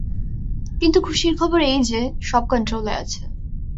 কিন্তু খুশির খবর এই যে, সব কন্ট্রোলে আছে।